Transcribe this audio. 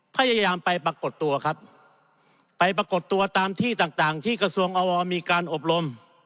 พยายามไปปรากฏตัวครับไปปรากฏตัวตามที่ต่างต่างที่กระทรวงอวมีการอบรม